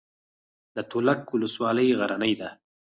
د تولک ولسوالۍ غرنۍ ده